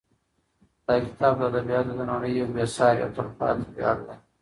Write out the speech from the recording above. دا کتاب د ادبیاتو د نړۍ یو بې سارې او تلپاتې ویاړ دی.